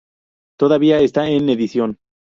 Todavía está en edición.